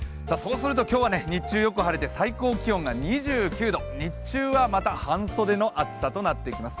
今日は日中よく晴れて最高気温が２９度、日中はまた半袖の暑さとなってきます。